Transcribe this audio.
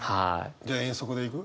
じゃあ遠足でいく？